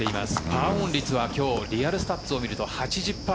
パーオン率はリアルスタッツを見ると８０％。